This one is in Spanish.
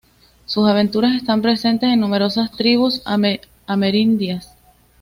Sus aventuras están presentes en numerosas tribus amerindias.